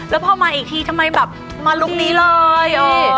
แล้วพอมาอีกทีทำไมแบบมาลุคนี้เลย